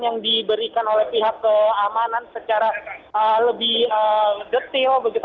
yang diberikan oleh pihak keamanan secara lebih detil